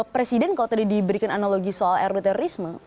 presiden kalau tadi diberikan analogi soal ruu terorisme